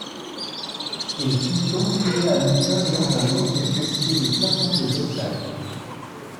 Il fut confié à Luca Giordano de fresquer les plafonds des deux salles.